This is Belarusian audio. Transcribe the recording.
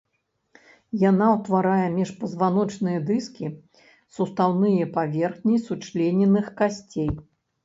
Яна ўтварае міжпазваночныя дыскі, сустаўныя паверхні сучлененых касцей.